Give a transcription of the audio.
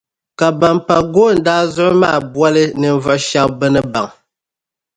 Ka ban pa goondaa zuɣu maa boli ninvuɣu shεba bɛ ni baŋ.